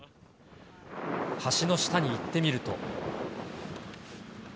橋の下に行ってみると。